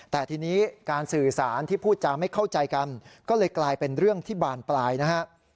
แต่ทีนี้การสื่อสารที่พูดจาไม่เข้าใจกันก็เลยกลายเป็นเรื่องที่บานปลายนะฮะ